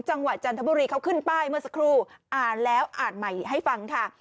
จันทบุรีเขาขึ้นป้ายเมื่อสักครู่อ่านแล้วอ่านใหม่ให้ฟังค่ะ